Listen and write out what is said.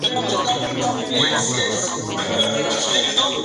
Algunos de los directores que participan son Emir Kusturica, Spike Lee y Ridley Scott.